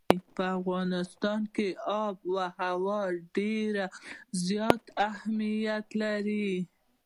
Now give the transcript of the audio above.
په افغانستان کې آب وهوا ډېر زیات اهمیت لري.